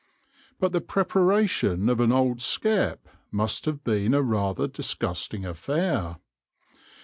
But the preparation of an old skep must have been a rather disgusting affair.